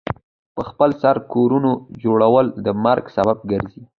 پخپل سر کورونو جوړول د مرګ سبب ګرځي.